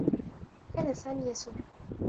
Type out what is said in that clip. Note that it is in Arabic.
كان سامي يسبّ.